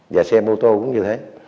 và xe mô tô cũng như thế